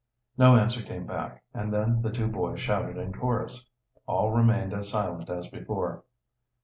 No answer came back, and then the two boys shouted in chorus. All remained as silent as before.